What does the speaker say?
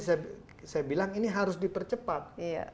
saya bilang ini harus dipercepat